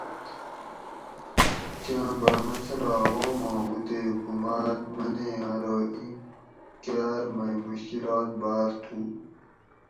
کاں باۤ مسٔلہ عواماں ھو تے حکومات منیں ارو ایں کاۤر مئ مشکلات باۤر تھو